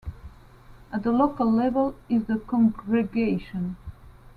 At the local level is the congregation.